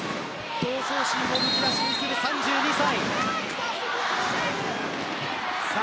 闘争心をむき出しにしている３２歳。